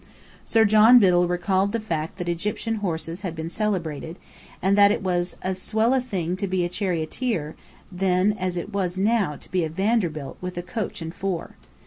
Sir John Biddell recalled the fact that Egyptian horses had been celebrated, and that it was "as swell a thing to be a charioteer then as it was now to be a Vanderbilt with a coach and four."